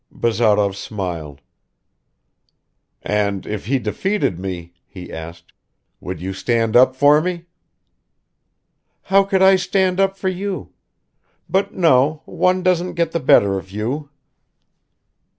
Bazarov smiled. "And if he defeated me," he asked, "would you stand up for me?" "How could I stand up for you? But no, one doesn't get the better of you."